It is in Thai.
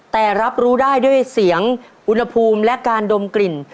แต่รับรู้ได้ด้วยเสียงอุณหภูมิและการดมกลิ่น